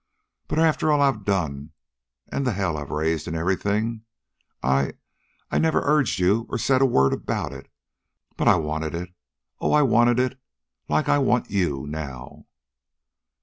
"But after all I'd done, an' the hell I'd raised, an' everything, I... I never urged you, or said a word about it. But I wanted it... oh, I wanted it like ... like I want you now."